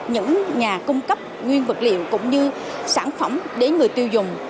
những nhà cung cấp nguyên vật liệu cũng như sản phẩm đến người tiêu dùng